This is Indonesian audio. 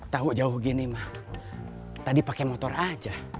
tahu jauh gini mah tadi pakai motor aja